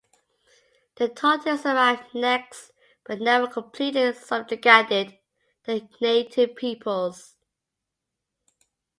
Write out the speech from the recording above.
The Toltecs arrived next but never completely subjugated the native peoples.